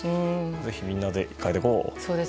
ぜひみんなで変えていこう。